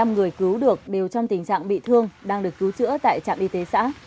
năm người cứu được đều trong tình trạng bị thương đang được cứu chữa tại trạm y tế xã